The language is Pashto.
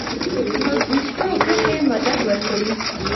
پۀ ويستو کښې مدد ورکوي